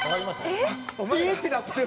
「ええー？」ってなってる！